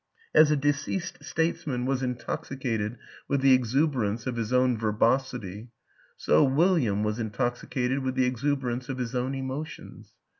As a deceased statesman was intoxi WILLIAM AN ENGLISHMAN 19 cated with the exuberance of his own verbosity, so William was intoxicated with the exuberance of his own emotions.